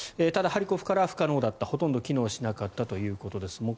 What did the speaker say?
ただ、ハリコフからは不可能だったほとんど機能しなかったということです。